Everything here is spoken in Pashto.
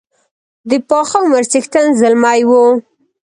د پاخه عمر څښتن زلمی وو.